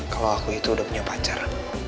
kalau aku itu udah punya pacar